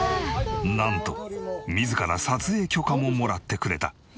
なんと自ら撮影許可をもらってくれた。